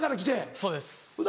そうです。